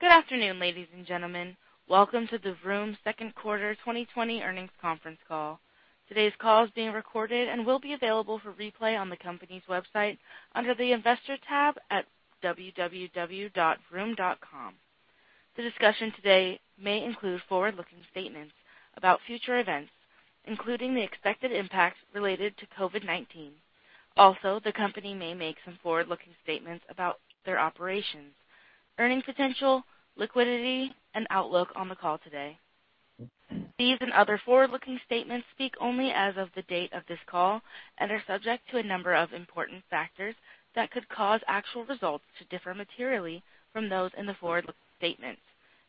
Good afternoon, ladies and gentlemen. Welcome to the Vroom second quarter 2020 earnings conference call. Today's call is being recorded and will be available for replay on the company's website under the investor tab at www.vroom.com. The discussion today may include forward-looking statements about future events, including the expected impact related to COVID-19. Also, the company may make some forward-looking statements about their operations, earnings potential, liquidity, and outlook on the call today. These and other forward-looking statements speak only as of the date of this call and are subject to a number of important factors that could cause actual results to differ materially from those in the forward-looking statements,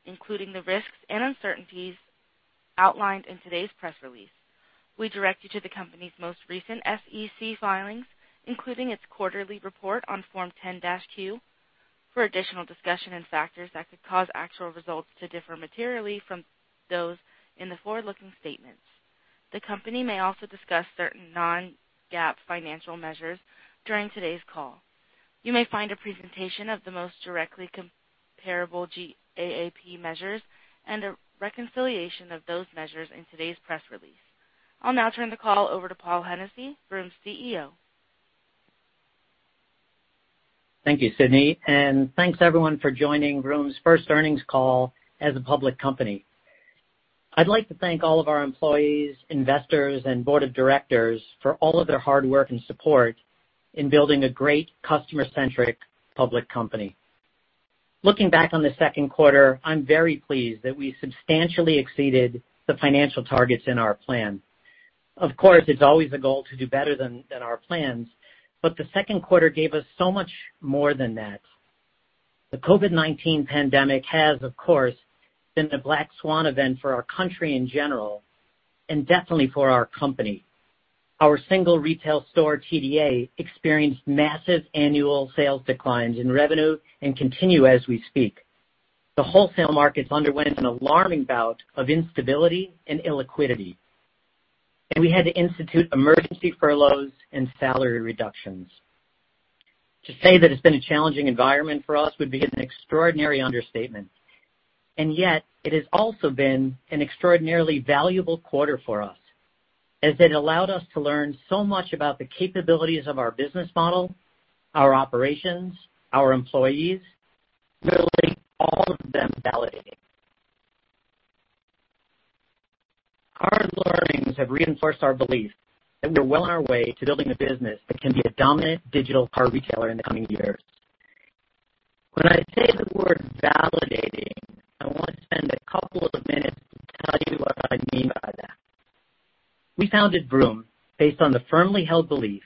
including the risks and uncertainties outlined in today's press release. We direct you to the company's most recent SEC filings, including its quarterly report on Form 10-Q, for additional discussion and factors that could cause actual results to differ materially from those in the forward-looking statements. The company may also discuss certain non-GAAP financial measures during today's call. You may find a presentation of the most directly comparable GAAP measures and a reconciliation of those measures in today's press release. I'll now turn the call over to Paul Hennessy, Vroom's CEO. Thank you, Sydney, and thanks everyone for joining Vroom's first earnings call as a public company. I'd like to thank all of our employees, investors, and board of directors for all of their hard work and support in building a great customer-centric public company. Looking back on the second quarter, I'm very pleased that we substantially exceeded the financial targets in our plan. Of course, it's always the goal to do better than our plans, but the second quarter gave us so much more than that. The COVID-19 pandemic has, of course, been a black swan event for our country in general and definitely for our company. Our single retail store TDA experienced massive annual sales declines in revenue and continue as we speak. The wholesale markets underwent an alarming bout of instability and illiquidity, and we had to institute emergency furloughs and salary reductions. To say that it's been a challenging environment for us would be an extraordinary understatement, and yet it has also been an extraordinarily valuable quarter for us as it allowed us to learn so much about the capabilities of our business model, our operations, our employees, literally all of them validated. Our learnings have reinforced our belief that we're well on our way to building a business that can be a dominant digital car retailer in the coming years. When I say the word validating, I want to spend a couple of minutes to tell you what I mean by that. We founded Vroom based on the firmly held belief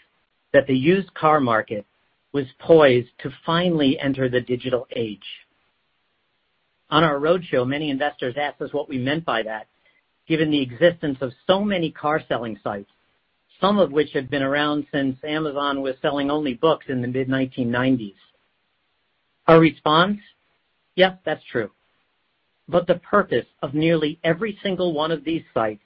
that the used car market was poised to finally enter the digital age. On our roadshow, many investors asked us what we meant by that, given the existence of so many car selling sites, some of which have been around since Amazon was selling only books in the mid-1990s. Our response? Yes, that's true. But the purpose of nearly every single one of these sites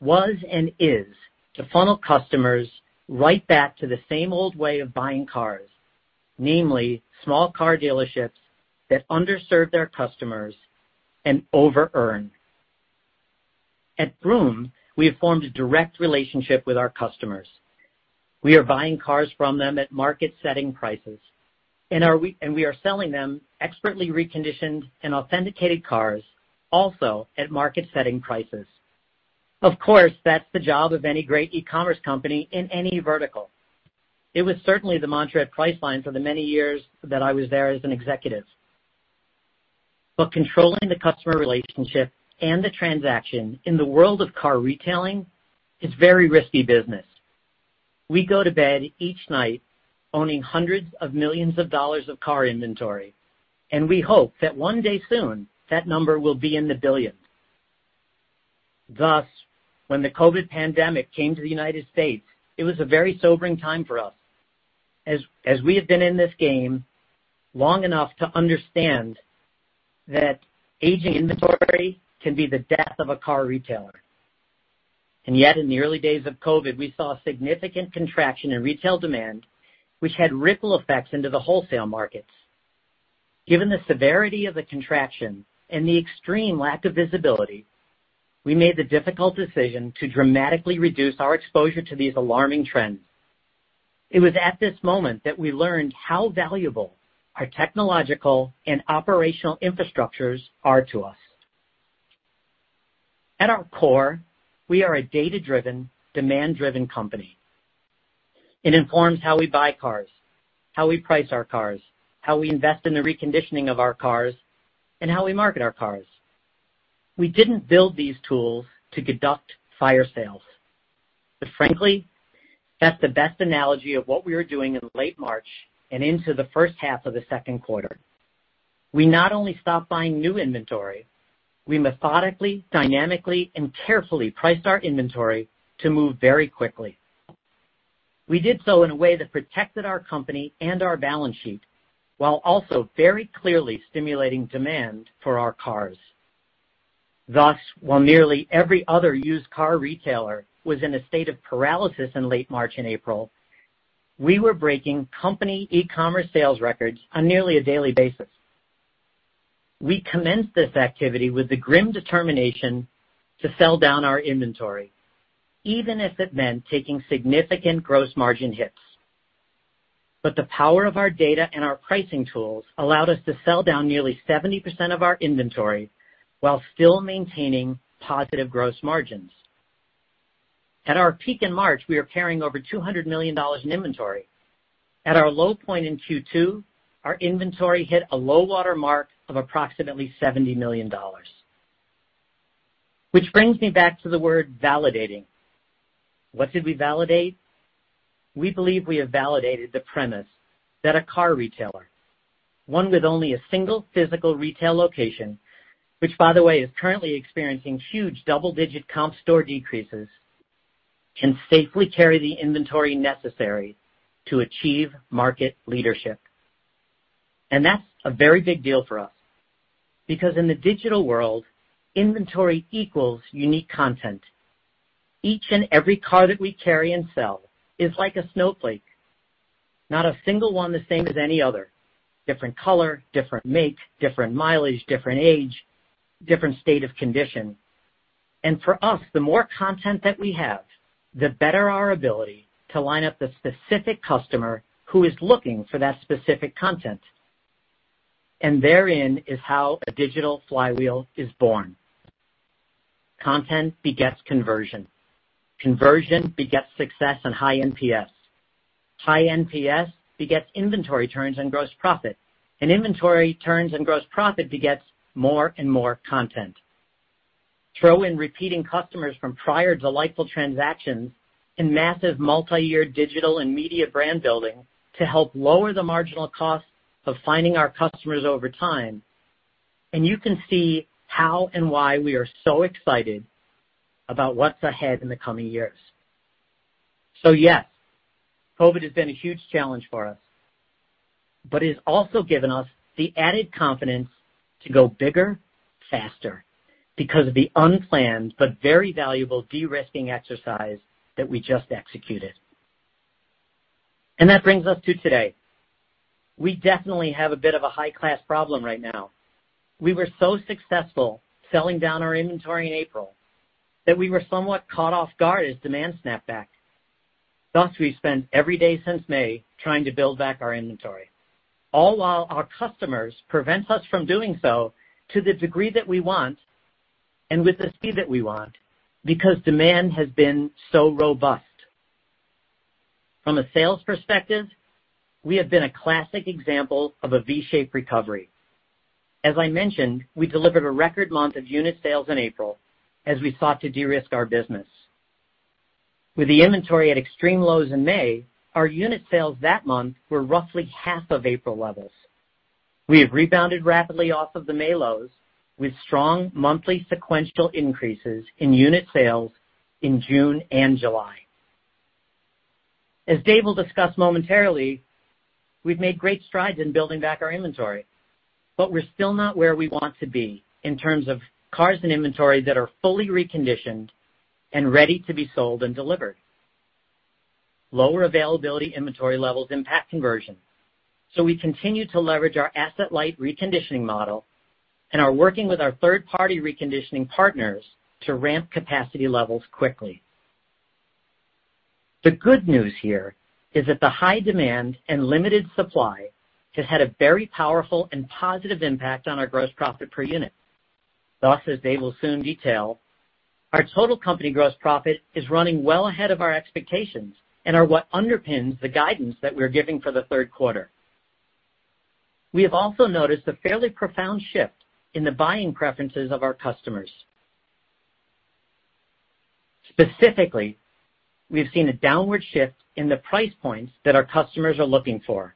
was and is to funnel customers right back to the same old way of buying cars, namely small car dealerships that underserve their customers and over-earn. At Vroom, we have formed a direct relationship with our customers. We are buying cars from them at market-setting prices, and we are selling them expertly reconditioned and authenticated cars also at market-setting prices. Of course, that's the job of any great e-commerce company in any vertical. It was certainly the mantra at Priceline for the many years that I was there as an executive. But controlling the customer relationship and the transaction in the world of car retailing is very risky business. We go to bed each night owning hundreds of millions of dollars of car inventory, and we hope that one day soon that number will be in the billions. Thus, when the COVID pandemic came to the United States, it was a very sobering time for us as we have been in this game long enough to understand that aging inventory can be the death of a car retailer. And yet, in the early days of COVID, we saw a significant contraction in retail demand, which had ripple effects into the wholesale markets. Given the severity of the contraction and the extreme lack of visibility, we made the difficult decision to dramatically reduce our exposure to these alarming trends. It was at this moment that we learned how valuable our technological and operational infrastructures are to us. At our core, we are a data-driven, demand-driven company. It informs how we buy cars, how we price our cars, how we invest in the reconditioning of our cars, and how we market our cars. We didn't build these tools to conduct fire sales, but frankly, that's the best analogy of what we were doing in late March and into the first half of the second quarter. We not only stopped buying new inventory. We methodically, dynamically, and carefully priced our inventory to move very quickly. We did so in a way that protected our company and our balance sheet while also very clearly stimulating demand for our cars. Thus, while nearly every other used car retailer was in a state of paralysis in late March and April, we were breaking company e-commerce sales records on nearly a daily basis. We commenced this activity with the grim determination to sell down our inventory, even if it meant taking significant gross margin hits. But the power of our data and our pricing tools allowed us to sell down nearly 70% of our inventory while still maintaining positive gross margins. At our peak in March, we were carrying over $200 million in inventory. At our low point in Q2, our inventory hit a low-water mark of approximately $70 million. Which brings me back to the word validating. What did we validate? We believe we have validated the premise that a car retailer, one with only a single physical retail location, which, by the way, is currently experiencing huge double-digit comp store decreases, can safely carry the inventory necessary to achieve market leadership, and that's a very big deal for us because in the digital world, inventory equals unique content. Each and every car that we carry and sell is like a snowflake, not a single one the same as any other: different color, different make, different mileage, different age, different state of condition, and for us, the more content that we have, the better our ability to line up the specific customer who is looking for that specific content. And therein is how a digital flywheel is born. Content begets conversion. Conversion begets success and high NPS. High NPS begets inventory turns and gross profit. And inventory turns and gross profit begets more and more content. Throw in repeating customers from prior delightful transactions and massive multi-year digital and media brand building to help lower the marginal cost of finding our customers over time, and you can see how and why we are so excited about what's ahead in the coming years. So yes, COVID has been a huge challenge for us, but it has also given us the added confidence to go bigger faster because of the unplanned but very valuable de-risking exercise that we just executed. And that brings us to today. We definitely have a bit of a high-class problem right now. We were so successful selling down our inventory in April that we were somewhat caught off guard as demand snapped back. Thus, we've spent every day since May trying to build back our inventory, all while our customers prevent us from doing so to the degree that we want and with the speed that we want because demand has been so robust. From a sales perspective, we have been a classic example of a V-shaped recovery. As I mentioned, we delivered a record month of unit sales in April as we sought to de-risk our business. With the inventory at extreme lows in May, our unit sales that month were roughly half of April levels. We have rebounded rapidly off of the May lows with strong monthly sequential increases in unit sales in June and July. As Dave will discuss momentarily, we've made great strides in building back our inventory, but we're still not where we want to be in terms of cars in inventory that are fully reconditioned and ready to be sold and delivered. Lower availability inventory levels impact conversion, so we continue to leverage our asset-light reconditioning model and are working with our third-party reconditioning partners to ramp capacity levels quickly. The good news here is that the high demand and limited supply has had a very powerful and positive impact on our gross profit per unit. Thus, as Dave will soon detail, our total company gross profit is running well ahead of our expectations and are what underpins the guidance that we're giving for the third quarter. We have also noticed a fairly profound shift in the buying preferences of our customers. Specifically, we've seen a downward shift in the price points that our customers are looking for.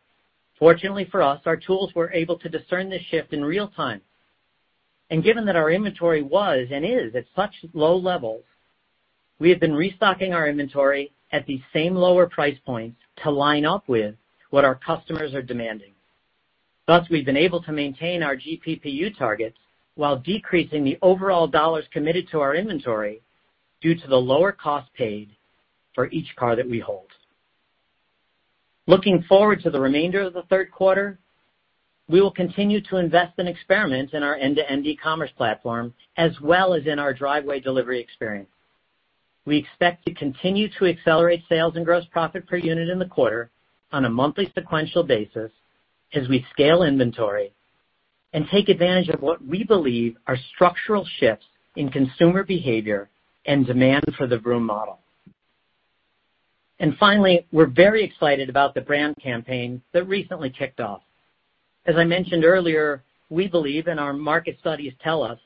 Fortunately for us, our tools were able to discern this shift in real time. And given that our inventory was and is at such low levels, we have been restocking our inventory at these same lower price points to line up with what our customers are demanding. Thus, we've been able to maintain our GPPU targets while decreasing the overall dollars committed to our inventory due to the lower cost paid for each car that we hold. Looking forward to the remainder of the third quarter, we will continue to invest and experiment in our end-to-end e-commerce platform as well as in our driveway delivery experience. We expect to continue to accelerate sales and gross profit per unit in the quarter on a monthly sequential basis as we scale inventory and take advantage of what we believe are structural shifts in consumer behavior and demand for the Vroom model. And finally, we're very excited about the brand campaign that recently kicked off. As I mentioned earlier, we believe our market studies tell us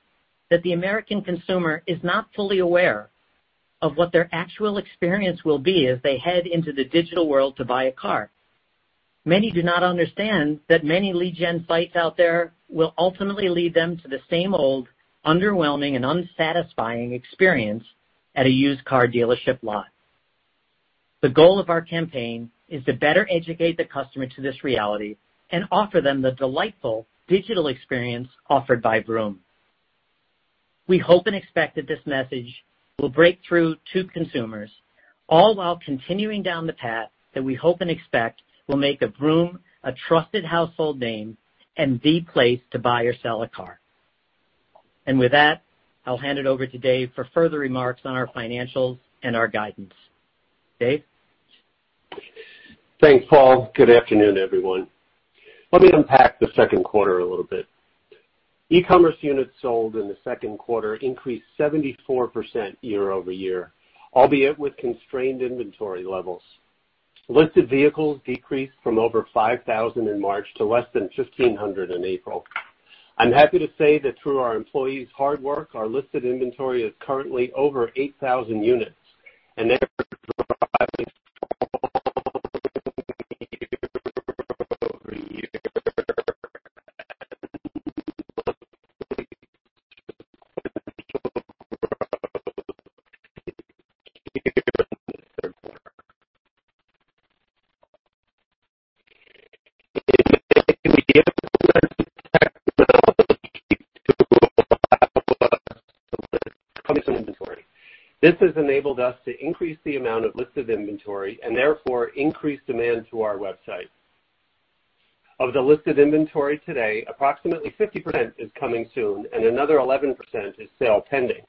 that the American consumer is not fully aware of what their actual experience will be as they head into the digital world to buy a car. Many do not understand that many lead gen sites out there will ultimately lead them to the same old underwhelming and unsatisfying experience at a used car dealership lot. The goal of our campaign is to better educate the customer to this reality and offer them the delightful digital experience offered by Vroom. We hope and expect that this message will break through to consumers, all while continuing down the path that we hope and expect will make of Vroom a trusted household name and the place to buy or sell a car, and with that, I'll hand it over to Dave for further remarks on our financials and our guidance. Dave? Thanks, Paul. Good afternoon, everyone. Let me unpack the second quarter a little bit. E-commerce units sold in the second quarter increased 74% year over year, albeit with constrained inventory levels. Listed vehicles decreased from over 5,000 in March to less than 1,500 in April. I'm happy to say that through our employees' hard work, our listed inventory is currently over 8,000 units, and they're driving inventory. This has enabled us to increase the amount of listed inventory and therefore increase demand to our website. Of the listed inventory today, approximately 50% is coming soon, and another 11% is still pending.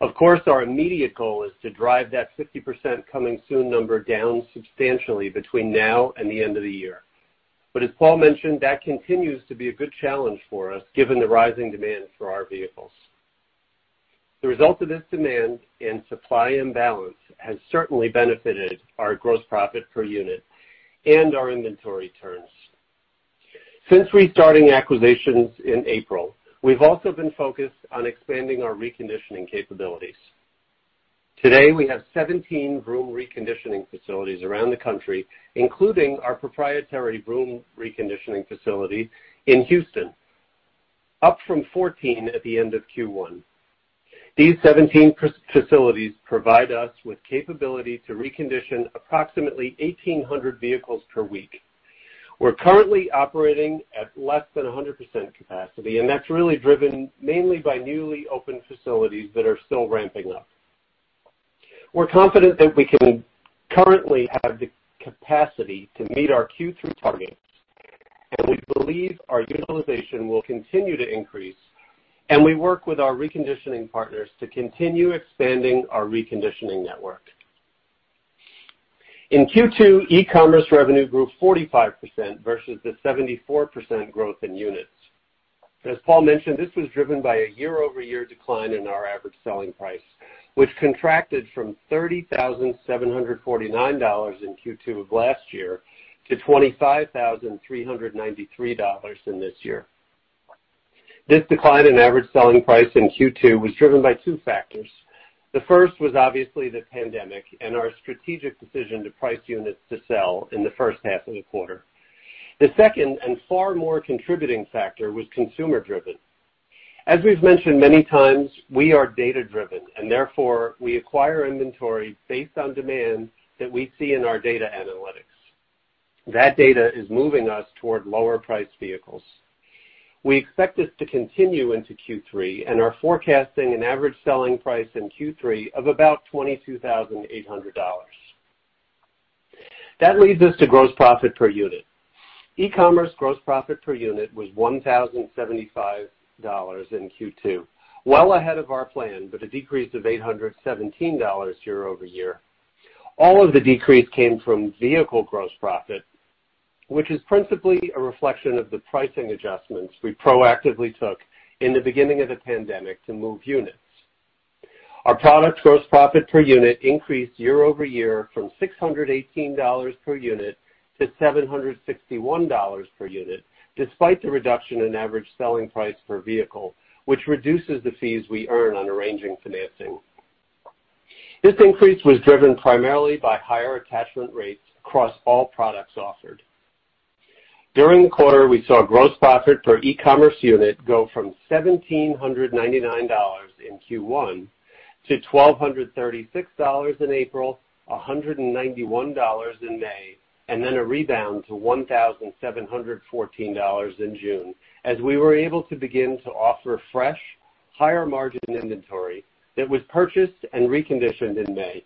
Of course, our immediate goal is to drive that 50% coming soon number down substantially between now and the end of the year. But as Paul mentioned, that continues to be a good challenge for us given the rising demand for our vehicles. The result of this demand and supply imbalance has certainly benefited our gross profit per unit and our inventory turns. Since restarting acquisitions in April, we've also been focused on expanding our reconditioning capabilities. Today, we have 17 Vroom reconditioning facilities around the country, including our proprietary Vroom reconditioning facility in Houston, up from 14 at the end of Q1. These 17 facilities provide us with the capability to recondition approximately 1,800 vehicles per week. We're currently operating at less than 100% capacity, and that's really driven mainly by newly opened facilities that are still ramping up. We're confident that we can currently have the capacity to meet our Q3 targets, and we believe our utilization will continue to increase, and we work with our reconditioning partners to continue expanding our reconditioning network. In Q2, e-commerce revenue grew 45% versus the 74% growth in units. As Paul mentioned, this was driven by a year-over-year decline in our average selling price, which contracted from $30,749 in Q2 of last year to $25,393 in this year. This decline in average selling price in Q2 was driven by two factors. The first was obviously the pandemic and our strategic decision to price units to sell in the first half of the quarter. The second and far more contributing factor was consumer-driven. As we've mentioned many times, we are data-driven, and therefore we acquire inventory based on demand that we see in our data analytics. That data is moving us toward lower-priced vehicles. We expect this to continue into Q3, and we're forecasting an average selling price in Q3 of about $22,800. That leads us to gross profit per unit. E-commerce gross profit per unit was $1,075 in Q2, well ahead of our plan, but a decrease of $817 year over year. All of the decrease came from vehicle gross profit, which is principally a reflection of the pricing adjustments we proactively took in the beginning of the pandemic to move units. Our product gross profit per unit increased year over year from $618 per unit to $761 per unit, despite the reduction in average selling price per vehicle, which reduces the fees we earn on arranging financing. This increase was driven primarily by higher attachment rates across all products offered. During the quarter, we saw gross profit per e-commerce unit go from $1,799 in Q1 to $1,236 in April, $191 in May, and then a rebound to $1,714 in June, as we were able to begin to offer fresh, higher-margin inventory that was purchased and reconditioned in May.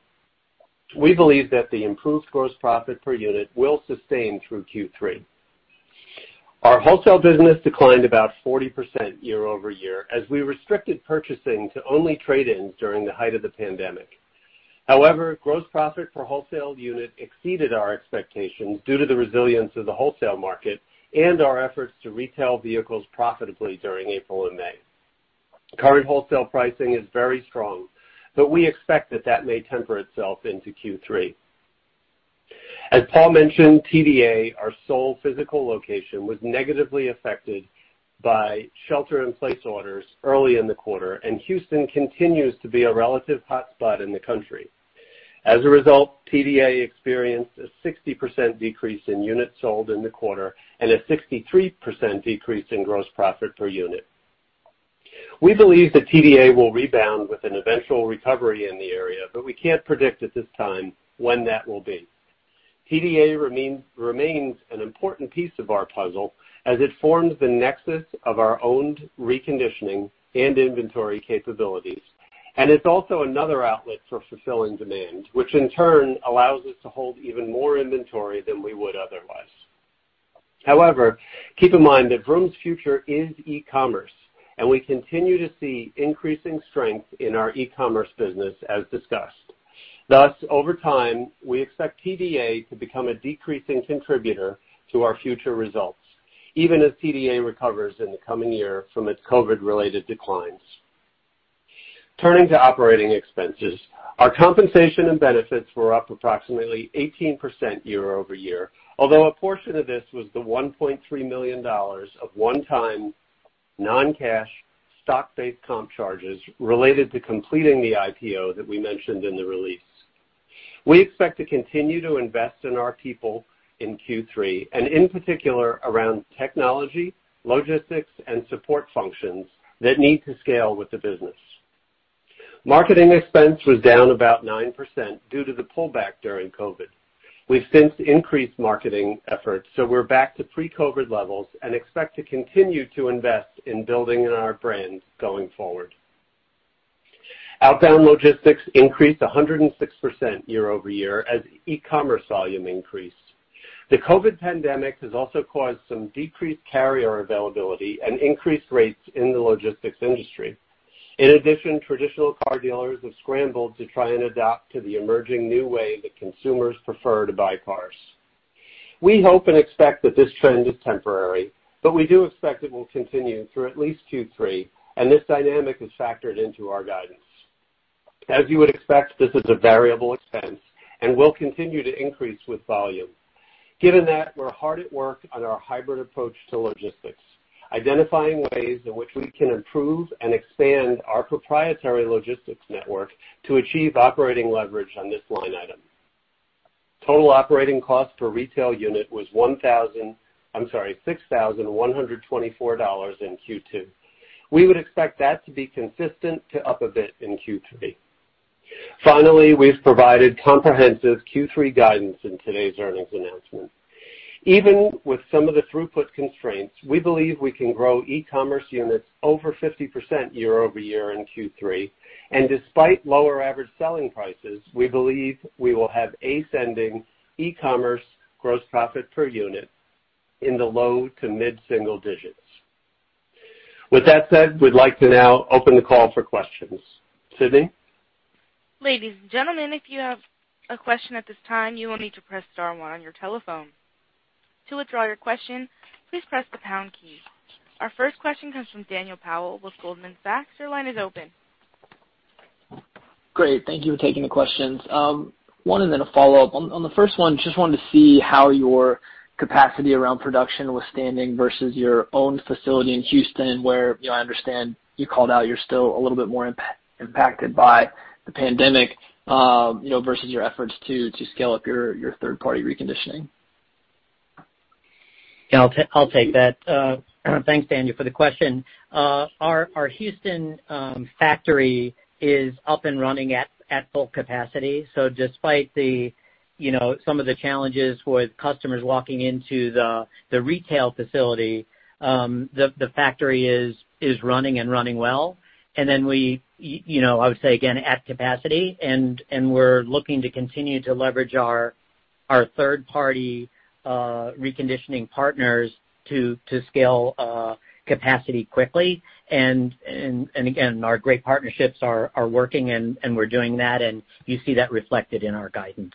We believe that the improved gross profit per unit will sustain through Q3. Our wholesale business declined about 40% year over year as we restricted purchasing to only trade-ins during the height of the pandemic. However, gross profit per wholesale unit exceeded our expectations due to the resilience of the wholesale market and our efforts to retail vehicles profitably during April and May. Current wholesale pricing is very strong, but we expect that that may temper itself into Q3. As Paul mentioned, TDA, our sole physical location, was negatively affected by shelter-in-place orders early in the quarter, and Houston continues to be a relative hotspot in the country. As a result, TDA experienced a 60% decrease in units sold in the quarter and a 63% decrease in gross profit per unit. We believe that TDA will rebound with an eventual recovery in the area, but we can't predict at this time when that will be. TDA remains an important piece of our puzzle as it forms the nexus of our owned reconditioning and inventory capabilities, and it's also another outlet for fulfilling demand, which in turn allows us to hold even more inventory than we would otherwise. However, keep in mind that Vroom's future is e-commerce, and we continue to see increasing strength in our e-commerce business as discussed. Thus, over time, we expect TDA to become a decreasing contributor to our future results, even as TDA recovers in the coming year from its COVID-related declines. Turning to operating expenses, our compensation and benefits were up approximately 18% year over year, although a portion of this was the $1.3 million of one-time non-cash stock-based comp charges related to completing the IPO that we mentioned in the release. We expect to continue to invest in our people in Q3, and in particular around technology, logistics, and support functions that need to scale with the business. Marketing expense was down about 9% due to the pullback during COVID. We've since increased marketing efforts, so we're back to pre-COVID levels and expect to continue to invest in building our brand going forward. Outbound logistics increased 106% year over year as e-commerce volume increased. The COVID pandemic has also caused some decreased carrier availability and increased rates in the logistics industry. In addition, traditional car dealers have scrambled to try and adapt to the emerging new way that consumers prefer to buy cars. We hope and expect that this trend is temporary, but we do expect it will continue through at least Q3, and this dynamic is factored into our guidance. As you would expect, this is a variable expense and will continue to increase with volume. Given that, we're hard at work on our hybrid approach to logistics, identifying ways in which we can improve and expand our proprietary logistics network to achieve operating leverage on this line item. Total operating cost per retail unit was $1,000. I'm sorry, $6,124 in Q2. We would expect that to be consistent to up a bit in Q3. Finally, we've provided comprehensive Q3 guidance in today's earnings announcement. Even with some of the throughput constraints, we believe we can grow e-commerce units over 50% year over year in Q3, and despite lower average selling prices, we believe we will have ascending e-commerce gross profit per unit in the low to mid-single digits. With that said, we'd like to now open the call for questions. Sydney? Ladies and gentlemen, if you have a question at this time, you will need to press star one on your telephone. To withdraw your question, please press the pound key. Our first question comes from Daniel Powell with Goldman Sachs. Your line is open. Great. Thank you for taking the questions. One and then a follow-up. On the first one, just wanted to see how your capacity around production was standing versus your own facility in Houston, where I understand you called out you're still a little bit more impacted by the pandemic versus your efforts to scale up your third-party reconditioning. Yeah, I'll take that. Thanks, Daniel, for the question. Our Houston factory is up and running at full capacity, so despite some of the challenges with customers walking into the retail facility, the factory is running and running well. And then I would say again, at capacity, and we're looking to continue to leverage our third-party reconditioning partners to scale capacity quickly. And again, our great partnerships are working, and we're doing that, and you see that reflected in our guidance.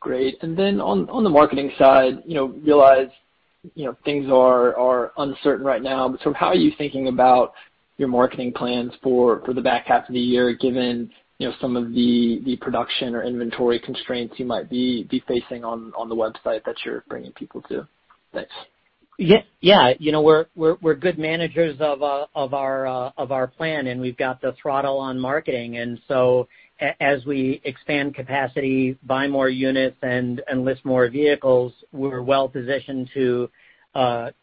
Great. And then on the marketing side, realize things are uncertain right now, but sort of how are you thinking about your marketing plans for the back half of the year given some of the production or inventory constraints you might be facing on the website that you're bringing people to? Thanks. Yeah. We're good managers of our plan, and we've got the throttle on marketing. And so as we expand capacity, buy more units, and list more vehicles, we're well positioned to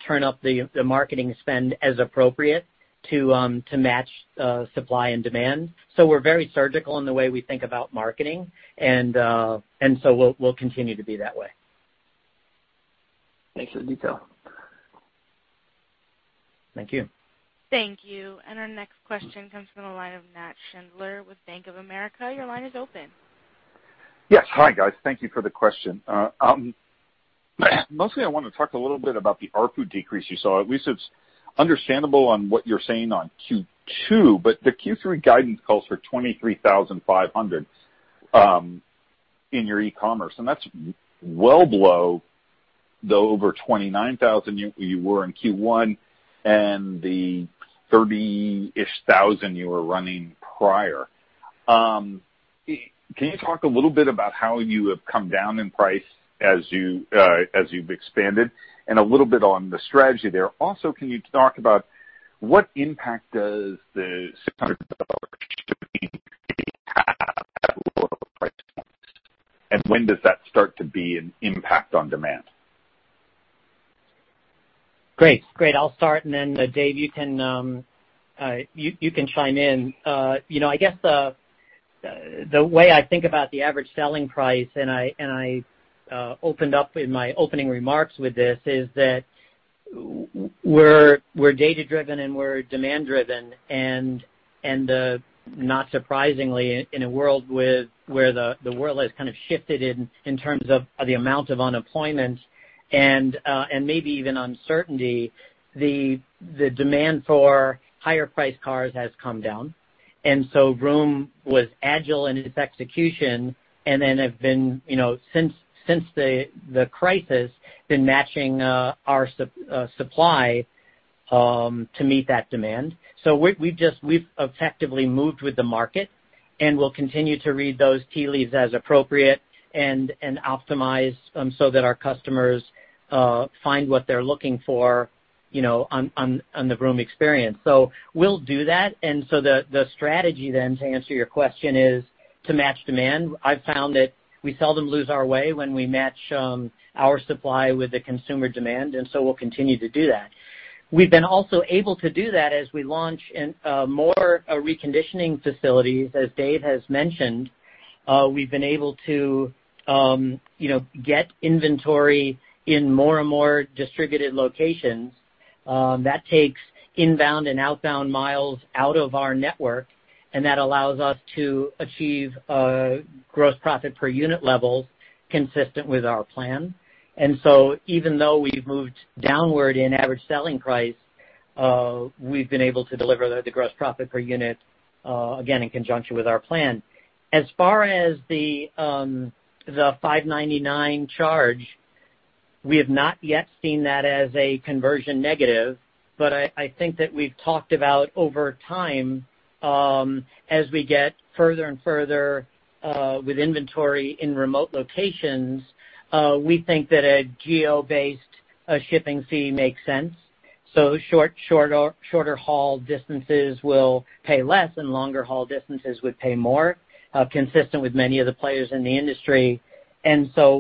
turn up the marketing spend as appropriate to match supply and demand. So we're very surgical in the way we think about marketing, and so we'll continue to be that way. Thanks for the detail. Thank you. Thank you. And our next question comes from the line of Nat Schindler with Bank of America. Your line is open. Yes. Hi, guys. Thank you for the question. Mostly, I want to talk a little bit about the ASP decrease you saw. At least it's understandable on what you're saying on Q2, but the Q3 guidance calls for 23,500 in your e-commerce, and that's well below the over 29,000 you were in Q1 and the 30-ish thousand you were running prior. Can you talk a little bit about how you have come down in price as you've expanded and a little bit on the strategy there? Also, can you talk about what impact does the $600 shipping have at lower price points, and when does that start to be an impact on demand? Great. Great. I'll start, and then Dave, you can chime in. I guess the way I think about the average selling price, and I opened up in my opening remarks with this, is that we're data-driven and we're demand-driven. Not surprisingly, in a world where the world has kind of shifted in terms of the amount of unemployment and maybe even uncertainty, the demand for higher-priced cars has come down. Vroom was agile in its execution and then have been, since the crisis, matching our supply to meet that demand. We've effectively moved with the market, and we'll continue to read those tea leaves as appropriate and optimize so that our customers find what they're looking for on the Vroom experience. We'll do that. The strategy then, to answer your question, is to match demand. I've found that we seldom lose our way when we match our supply with the consumer demand, and so we'll continue to do that. We've been also able to do that as we launch more reconditioning facilities. As Dave has mentioned, we've been able to get inventory in more and more distributed locations. That takes inbound and outbound miles out of our network, and that allows us to achieve gross profit per unit levels consistent with our plan, and so even though we've moved downward in average selling price, we've been able to deliver the gross profit per unit again in conjunction with our plan. As far as the $599 charge, we have not yet seen that as a conversion negative, but I think that we've talked about over time as we get further and further with inventory in remote locations, we think that a geo-based shipping fee makes sense, so shorter-haul distances will pay less, and longer-haul distances would pay more, consistent with many of the players in the industry. And so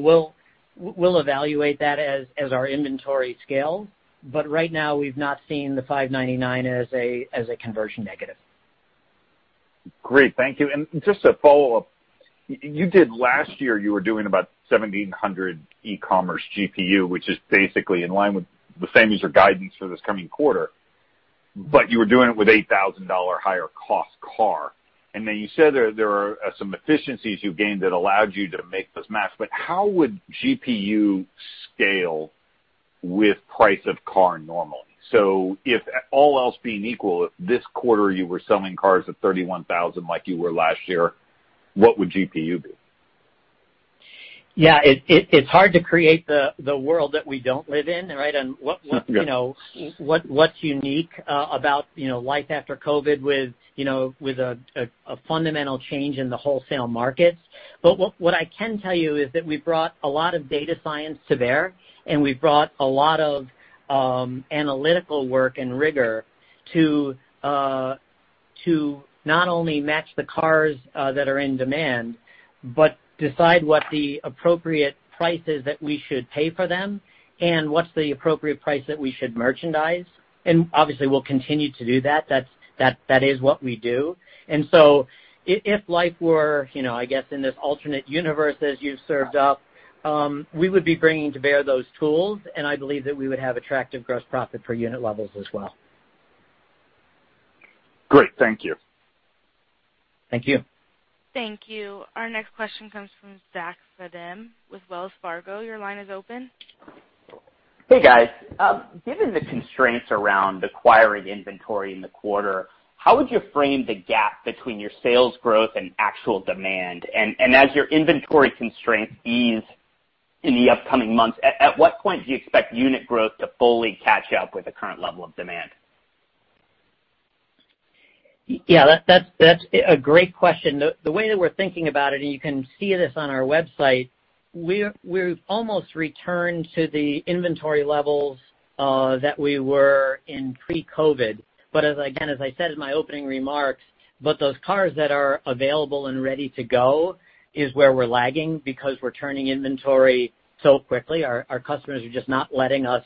we'll evaluate that as our inventory scales, but right now, we've not seen the $599 as a conversion negative. Great. Thank you. And just to follow up, last year, you were doing about $1,700 e-commerce GPU, which is basically in line with the same as your guidance for this coming quarter, but you were doing it with $8,000 higher-cost car. And then you said there were some efficiencies you gained that allowed you to make this match. But how would GPU scale with price of car normally? So if all else being equal, if this quarter you were selling cars at $31,000 like you were la st year, what would GPU be? Yeah. It's hard to create the world that we don't live in, right, and what's unique about life after COVID with a fundamental change in the wholesale markets. But what I can tell you is that we brought a lot of data science to bear, and we brought a lot of analytical work and rigor to not only match the cars that are in demand, but decide what the appropriate price is that we should pay for them and what's the appropriate price that we should merchandise. And obviously, we'll continue to do that. That is what we do. And so if life were, I guess, in this alternate universe as you've served up, we would be bringing to bear those tools, and I believe that we would have attractive gross profit per unit levels as well. Great. Thank you. Thank you. Thank you. Our next question comes from Zachary Fadem with Wells Fargo. Your line is open. Hey, guys. Given the constraints around acquiring inventory in the quarter, how would you frame the gap between your sales growth and actual demand? And as your inventory constraints ease in the upcoming months, at what point do you expect unit growth to fully catch up with the current level of demand? Yeah. That's a great question. The way that we're thinking about it, and you can see this on our website, we've almost returned to the inventory levels that we were in pre-COVID. But again, as I said in my opening remarks, those cars that are available and ready to go is where we're lagging because we're turning inventory so quickly. Our customers are just not letting us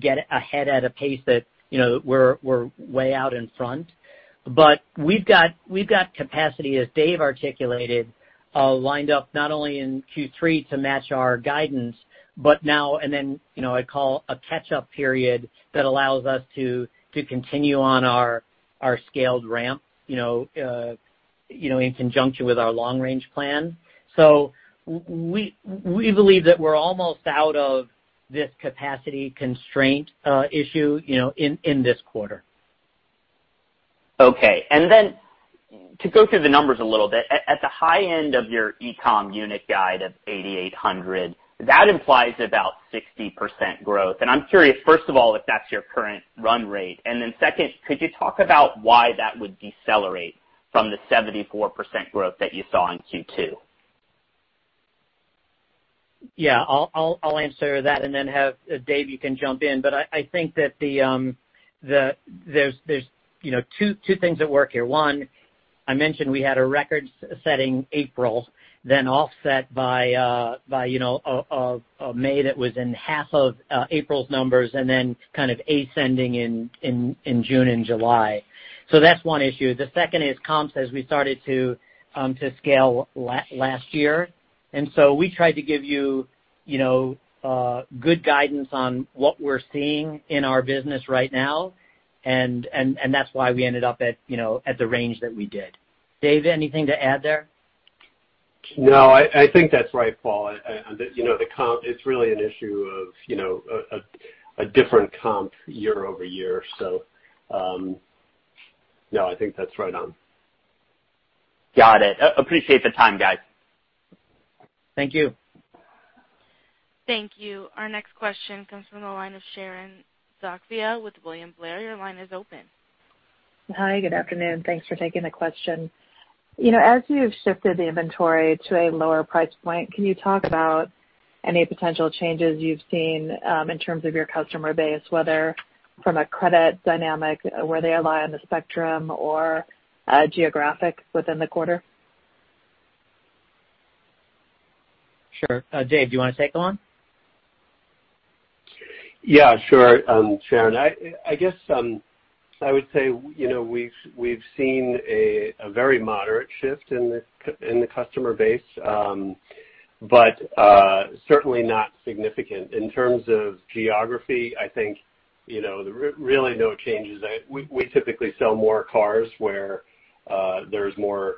get ahead at a pace that we're way out in front. But we've got capacity, as Dave articulated, lined up not only in Q3 to match our guidance, but now, and then I call a catch-up period that allows us to continue on our scaled ramp in conjunction with our long-range plan. So we believe that we're almost out of this capacity constraint issue in this quarter. Okay. And then to go through the numbers a little bit, at the high end of your e-com unit guide of 8,800, that implies about 60% growth. And I'm curious, first of all, if that's your current run rate. And then second, could you talk about why that would decelerate from the 74% growth that you saw in Q2? Yeah. I'll answer that and then have Dave, you can jump in. But I think that there's two things that work here. One, I mentioned we had a record-setting April, then offset by a May that was in half of April's numbers, and then kind of ascending in June and July. So that's one issue. The second is comps as we started to scale last year. And so we tried to give you good guidance on what we're seeing in our business right now, and that's why we ended up at the range that we did. Dave, anything to add there? No. I think that's right, Paul. The comp, it's really an issue of a different comp year over year. So no, I think that's right on. Got it. Appreciate the time, guys. Thank you. Thank you. Our next question comes from the line of Sharon Zackfia with William Blair. Your line is open. Hi. Good afternoon. Thanks for taking the question. As you've shifted the inventory to a lower price point, can you talk about any potential changes you've seen in terms of your customer base, whether from a credit dynamic where they align on the spectrum or geographic within the quarter? Sure. Dave, do you want to take along? Yeah. Sure, Sharon. I guess I would say we've seen a very moderate shift in the customer base, but certainly not significant. In terms of geography, I think really no changes. We typically sell more cars where there's more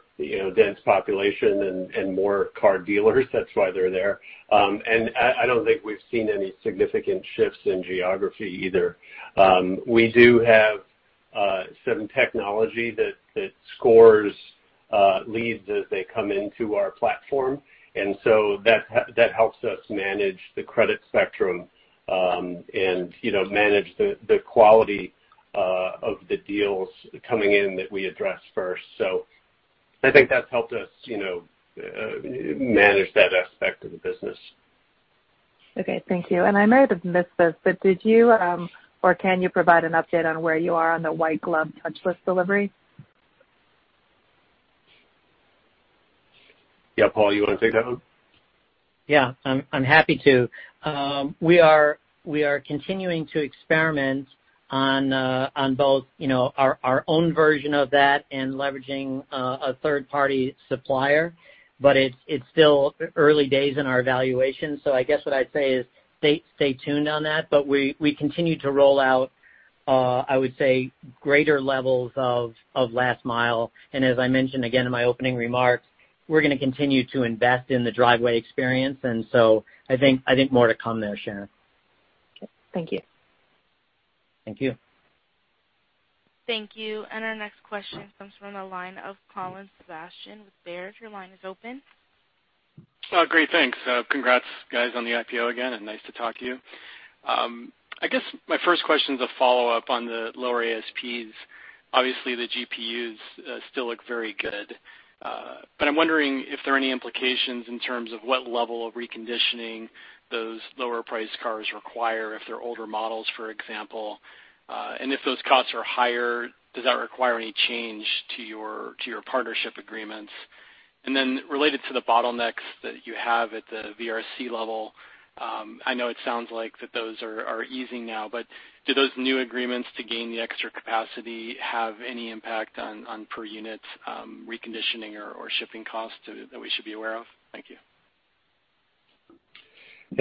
dense population and more car dealers. That's why they're there. And I don't think we've seen any significant shifts in geography either. We do have some technology that scores leads as they come into our platform. And so that helps us manage the credit spectrum and manage the quality of the deals coming in that we address first. So I think that's helped us manage that aspect of the business. Okay. Thank you. And I might have missed this, but did you or can you provide an update on where you are on the White Glove touchless delivery? Yeah. Paul, you want to take that one? Yeah. I'm happy to. We are continuing to experiment on both our own version of that and leveraging a third-party supplier, but it's still early days in our evaluation. So I guess what I'd say is stay tuned on that. But we continue to roll out, I would say, greater levels of last mile. And as I mentioned again in my opening remarks, we're going to continue to invest in the driveway experience. And so I think more to come there, Sharon. Okay. Thank you. Thank you. Thank you. And our next question comes from the line of Colin Sebastian with Baird. Your line is open. Great. Thanks. Congrats, guys, on the IPO again, and nice to talk to you. I guess my first question is a follow-up on the lower ASPs. Obviously, the GPPUs still look very good, but I'm wondering if there are any implications in terms of what level of reconditioning those lower-priced cars require if they're older models, for example. And if those costs are higher, does that require any change to your partnership agreements? And then related to the bottlenecks that you have at the VRC level, I know it sounds like that those are easing now, but do those new agreements to gain the extra capacity have any impact on per-unit reconditioning or shipping costs that we should be aware of? Thank you.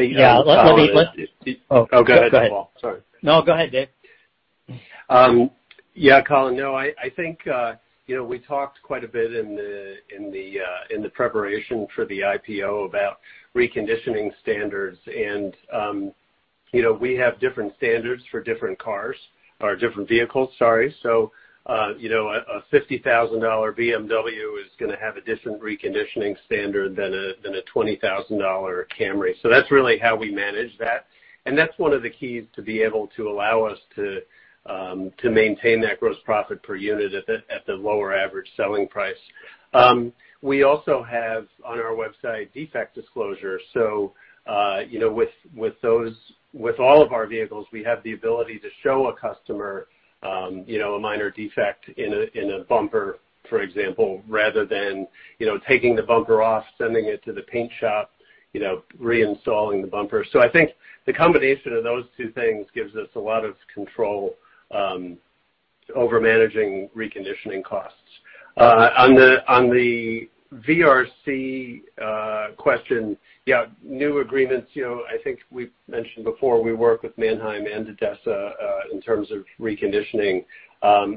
Yeah. Let me, oh, go ahead, Paul. Sorry. No, go ahead, Dave. Yeah, Collin. No, I think we talked quite a bit in the preparation for the IPO about reconditioning standards. And we have different standards for different cars or different vehicles, sorry. So a $50,000 BMW is going to have a different reconditioning standard than a $20,000 Camry. So that's really how we manage that. And that's one of the keys to be able to allow us to maintain that gross profit per unit at the lower average selling price. We also have on our website defect disclosure. So with all of our vehicles, we have the ability to show a customer a minor defect in a bumper, for example, rather than taking the bumper off, sending it to the paint shop, reinstalling the bumper. So I think the combination of those two things gives us a lot of control over managing reconditioning costs. On the VRC question, yeah, new agreements. I think we mentioned before we work with Manheim and ADESA in terms of reconditioning.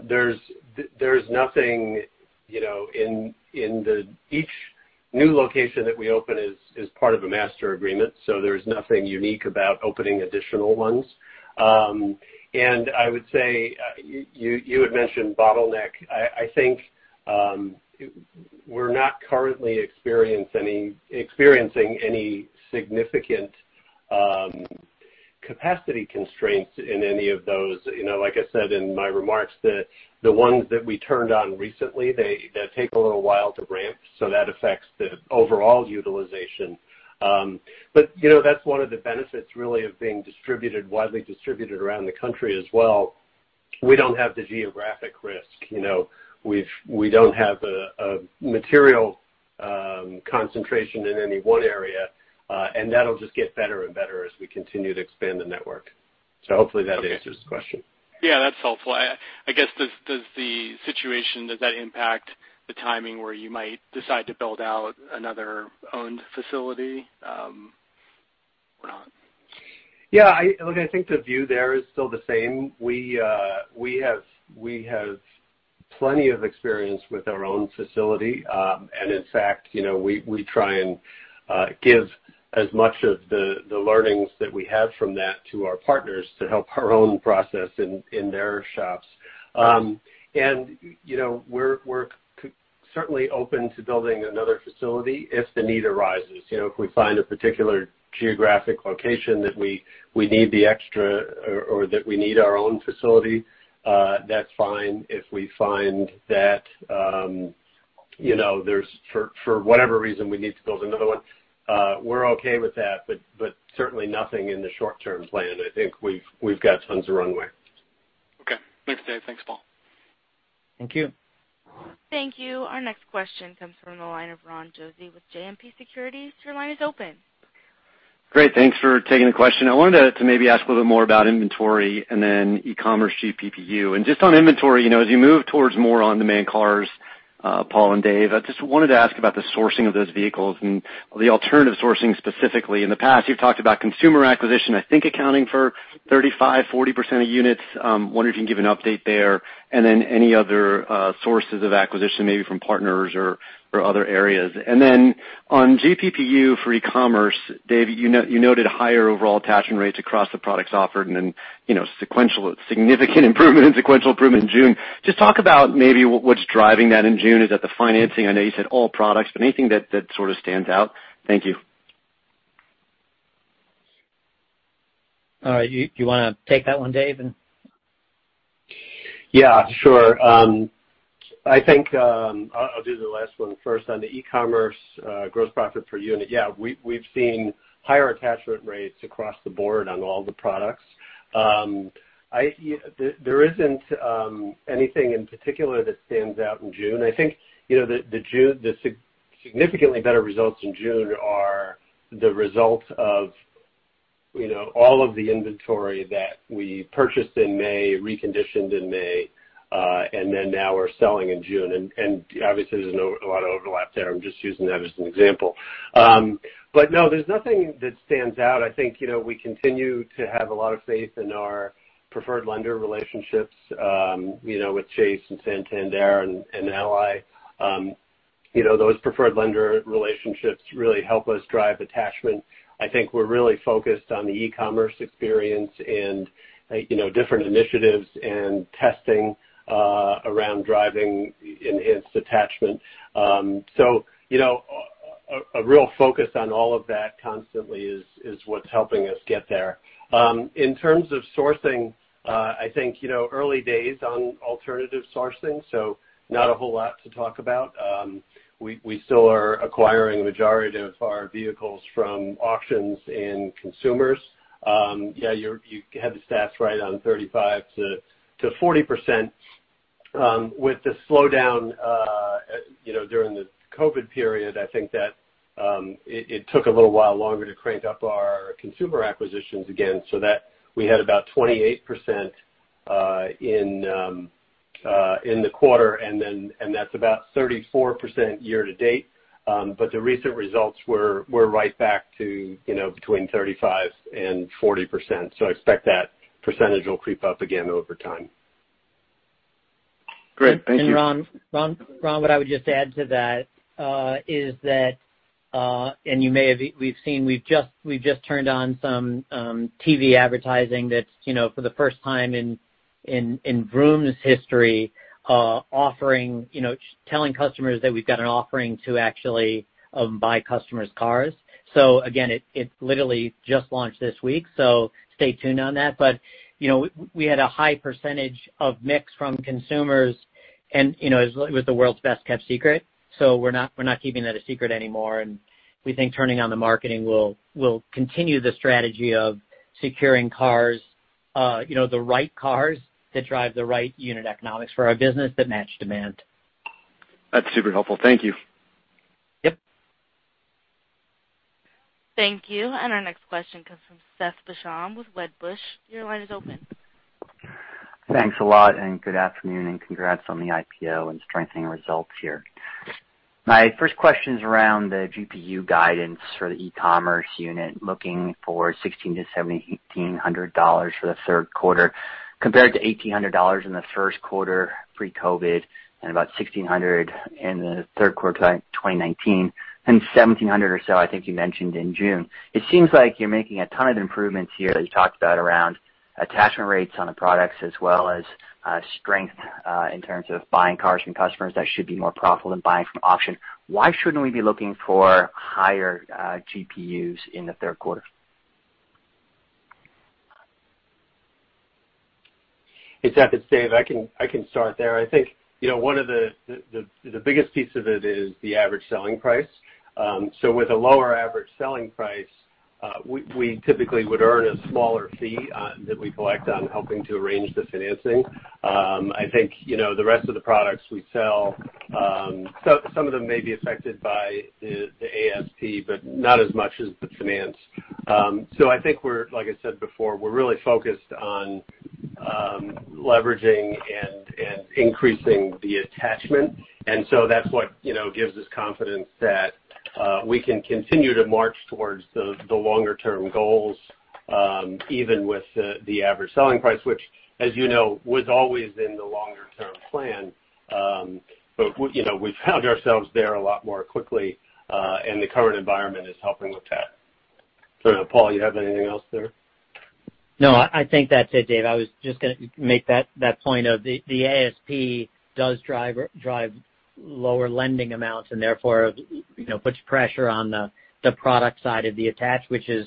There's nothing in each new location that we open is part of a master agreement, so there's nothing unique about opening additional ones. And I would say you had mentioned bottleneck. I think we're not currently experiencing any significant capacity constraints in any of those. Like I said in my remarks, the ones that we turned on recently, they take a little while to ramp, so that affects the overall utilization. But that's one of the benefits really of being widely distributed around the country as well. We don't have the geographic risk. We don't have a material concentration in any one area, and that'll just get better and better as we continue to expand the network. So hopefully, that answers the question. Yeah. That's helpful. I guess, does that impact the timing where you might decide to build out another owned facility or not? Yeah. Look, I think the view there is still the same. We have plenty of experience with our own facility and in fact, we try and give as much of the learnings that we have from that to our partners to help our own process in their shops and we're certainly open to building another facility if the need arises. If we find a particular geographic location that we need the extra or that we need our own facility, that's fine. If we find that for whatever reason we need to build another one, we're okay with that, but certainly nothing in the short-term plan. I think we've got tons of runway. Okay. Thanks, Dave. Thanks, Paul. Thank you. Thank you. Our next question comes from the line of Ron Josey with JMP Securities. Your line is open. Great. Thanks for taking the question. I wanted to maybe ask a little bit more about inventory and then e-commerce GPU. And just on inventory, as you move towards more on-demand cars, Paul and Dave, I just wanted to ask about the sourcing of those vehicles and the alternative sourcing specifically. In the past, you've talked about consumer acquisition, I think accounting for 35%-40% of units. I wonder if you can give an update there. And then any other sources of acquisition, maybe from partners or other areas. And then on GPU for e-commerce, Dave, you noted higher overall attachment rates across the products offered and then significant improvement in sequential improvement in June. Just talk about maybe what's driving that in June. Is that the financing? I know you said all products, but anything that sort of stands out? Thank you. All right. You want to take that one, Dave? Yeah. Sure. I think I'll do the last one first. On the e-commerce gross profit per unit, yeah, we've seen higher attachment rates across the board on all the products. There isn't anything in particular that stands out in June. I think the significantly better results in June are the result of all of the inventory that we purchased in May, reconditioned in May, and then now we're selling in June. And obviously, there's a lot of overlap there. I'm just using that as an example. But no, there's nothing that stands out. I think we continue to have a lot of faith in our preferred lender relationships with Chase and Santander and Ally. Those preferred lender relationships really help us drive attachment. I think we're really focused on the e-commerce experience and different initiatives and testing around driving enhanced attachment. So a real focus on all of that constantly is what's helping us get there. In terms of sourcing, I think early days on alternative sourcing, so not a whole lot to talk about. We still are acquiring the majority of our vehicles from auctions and consumers. Yeah, you had the stats right on 35%-40%. With the slowdown during the COVID period, I think that it took a little while longer to crank up our consumer acquisitions again. So we had about 28% in the quarter, and that's about 34% year to date. But the recent results, we're right back to between 35% and 40%. So I expect that percentage will creep up again over time. Great. Thank you. Ron, what I would just add to that is that—and you may have—we've just turned on some TV advertising that's for the first time in Vroom's history offering, telling customers that we've got an offering to actually buy customers' cars. So again, it literally just launched this week. So stay tuned on that. But we had a high percentage of mix from consumers, and it was the world's best-kept secret. So we're not keeping that a secret anymore. And we think turning on the marketing will continue the strategy of securing cars, the right cars that drive the right unit economics for our business that match demand. That's super helpful. Thank you. Yep. Thank you. Our next question comes from Seth Basham with Wedbush. Your line is open. Thanks a lot, and good afternoon, and congrats on the IPO and strengthening results here. My first question is around the GPPU guidance for the e-commerce unit looking for $1,600-$1,800 for the third quarter compared to $1,800 in the first quarter pre-COVID and about $1,600 in the third quarter 2019 and $1,700 or so, I think you mentioned in June. It seems like you're making a ton of improvements here that you talked about around attachment rates on the products as well as strength in terms of buying cars from customers that should be more profitable than buying from auction. Why shouldn't we be looking for higher GPPUs in the third quarter? It's at the. Dave, I can start there. I think one of the biggest pieces of it is the average selling price. So with a lower average selling price, we typically would earn a smaller fee that we collect on helping to arrange the financing. I think the rest of the products we sell, some of them may be affected by the ASP, but not as much as the finance. So I think we're, like I said before, we're really focused on leveraging and increasing the attachment. And so that's what gives us confidence that we can continue to march towards the longer-term goals even with the average selling price, which, as you know, was always in the longer-term plan, but we found ourselves there a lot more quickly, and the current environment is helping with that. So Paul, you have anything else there? No, I think that's it, Dave. I was just going to make that point of the ASP does drive lower lending amounts and therefore puts pressure on the product side of the attach, which is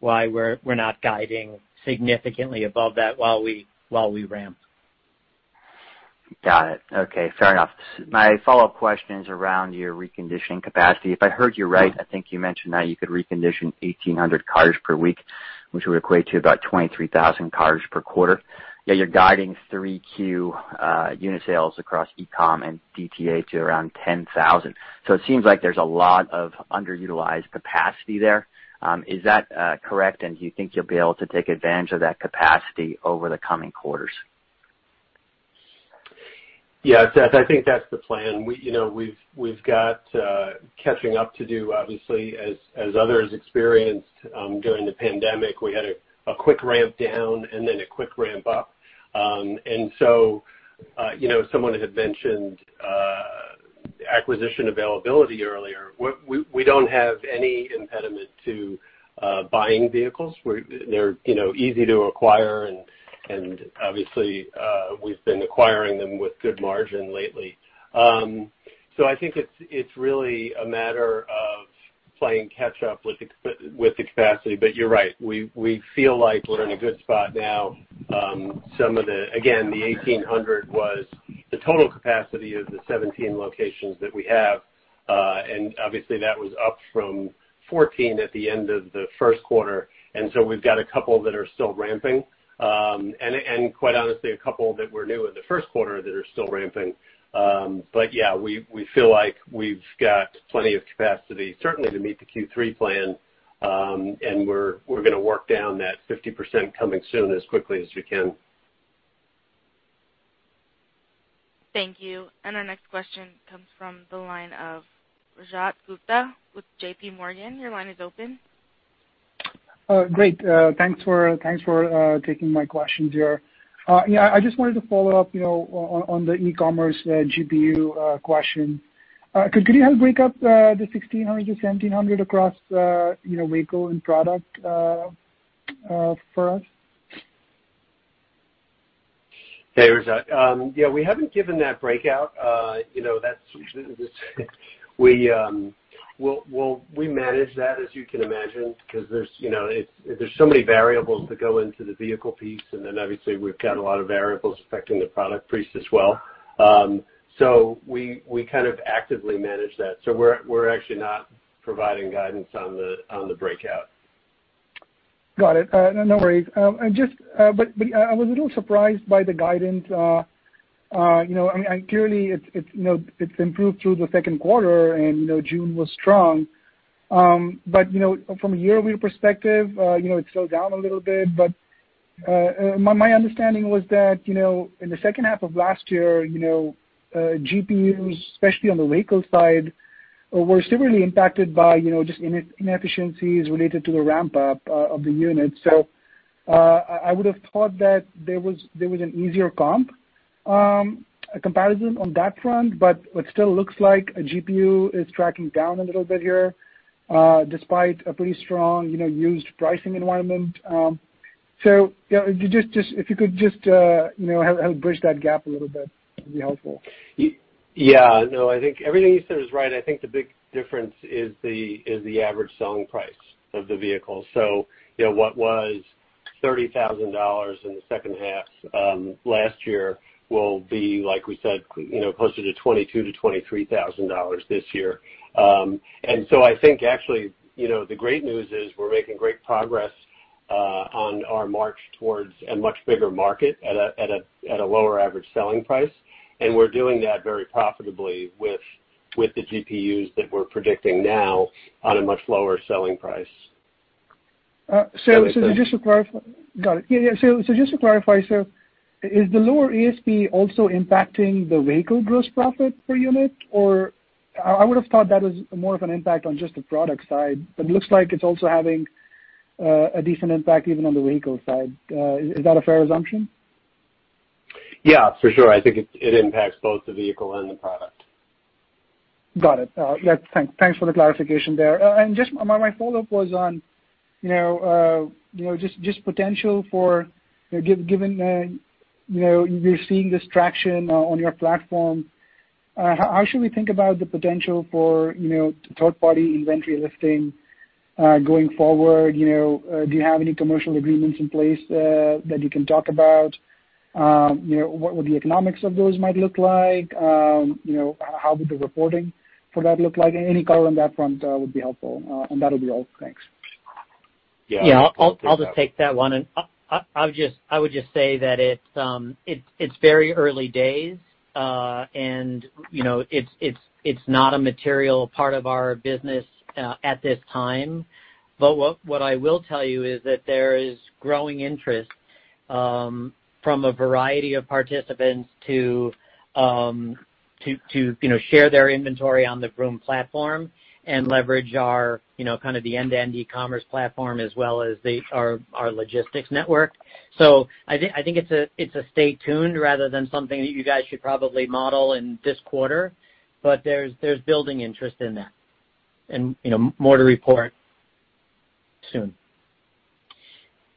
why we're not guiding significantly above that while we ramp. Got it. Okay. Fair enough. My follow-up question is around your reconditioning capacity. If I heard you right, I think you mentioned that you could recondition 1,800 cars per week, which would equate to about 23,000 cars per quarter. Yeah, you're guiding 3Q unit sales across e-com and TDA to around 10,000. So it seems like there's a lot of underutilized capacity there. Is that correct? And do you think you'll be able to take advantage of that capacity over the coming quarters? Yeah. Seth, I think that's the plan. We've got catching up to do, obviously. As others experienced during the pandemic, we had a quick ramp down and then a quick ramp up. And so someone had mentioned acquisition availability earlier. We don't have any impediment to buying vehicles. They're easy to acquire, and obviously, we've been acquiring them with good margin lately. So I think it's really a matter of playing catch-up with the capacity. But you're right. We feel like we're in a good spot now. Some of the, again, the 1,800 was the total capacity of the 17 locations that we have. And obviously, that was up from 14 at the end of the first quarter. And so we've got a couple that are still ramping. And quite honestly, a couple that were new in the first quarter that are still ramping. But yeah, we feel like we've got plenty of capacity, certainly to meet the Q3 plan. And we're going to work down that 50% coming soon as quickly as we can. Thank you. And our next question comes from the line of Rajat Gupta with JPMorgan. Your line is open. Great. Thanks for taking my questions here. I just wanted to follow up on the e-commerce GPPU question. Could you help break up the $1,600-$1,700 across vehicle and product for us? Hey, Rajat. Yeah, we haven't given that breakout. We manage that, as you can imagine, because there's so many variables that go into the vehicle piece. And then obviously, we've got a lot of variables affecting the product piece as well. So we kind of actively manage that. So we're actually not providing guidance on the breakout. Got it. No worries. But I was a little surprised by the guidance. I mean, clearly, it's improved through the second quarter, and June was strong. But from a year-over-year perspective, it's still down a little bit. But my understanding was that in the second half of last year, GPPUs, especially on the vehicle side, were severely impacted by just inefficiencies related to the ramp-up of the unit. So I would have thought that there was an easier comp, a comparison on that front. But it still looks like a GPPU is tracking down a little bit here despite a pretty strong used pricing environment. So if you could just help bridge that gap a little bit, that would be helpful. Yeah. No, I think everything you said is right. I think the big difference is the average selling price of the vehicles. So what was $30,000 in the second half last year will be, like we said, closer to $22,000-$23,000 this year. And so I think actually the great news is we're making great progress on our march towards a much bigger market at a lower average selling price. And we're doing that very profitably with the GPPUs that we're predicting now on a much lower selling price. So just to clarify. Got it. Yeah. So, just to clarify, is the lower ASP also impacting the vehicle gross profit per unit? Or I would have thought that was more of an impact on just the product side. But it looks like it's also having a decent impact even on the vehicle side. Is that a fair assumption? Yeah, for sure. I think it impacts both the vehicle and the product. Got it. Thanks for the clarification there. And just my follow-up was on just potential for given you're seeing this traction on your platform, how should we think about the potential for third-party inventory lifting going forward? Do you have any commercial agreements in place that you can talk about? What would the economics of those might look like? How would the reporting for that look like? Any color on that front would be helpful. And that'll be all. Thanks. Yeah. I'll just take that one, and I would just say that it's very early days, and it's not a material part of our business at this time. But what I will tell you is that there is growing interest from a variety of participants to share their inventory on the Vroom platform and leverage our kind of the end-to-end e-commerce platform as well as our logistics network. So I think it's a stay tuned rather than something that you guys should probably model in this quarter. But there's building interest in that and more to report soon.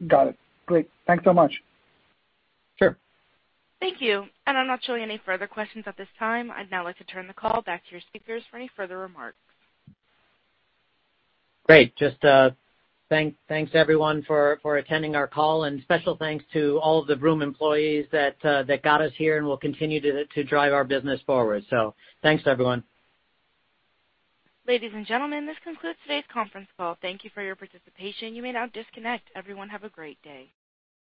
Got it. Great. Thanks so much. Sure. Thank you. And I'm not showing any further questions at this time. I'd now like to turn the call back to your speakers for any further remarks. Great. Just thanks to everyone for attending our call. And special thanks to all of the Vroom employees that got us here and will continue to drive our business forward. So thanks, everyone. Ladies and gentlemen, this concludes today's conference call. Thank you for your participation. You may now disconnect. Everyone, have a great day.